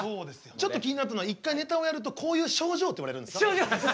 ちょっと気になったのは一回ネタをやるとこういう症状っていわれるんですね。